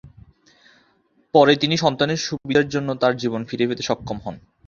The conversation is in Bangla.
পরে তিনি সন্তানের সুবিধার জন্য তার জীবন ফিরে পেতে সক্ষম হন।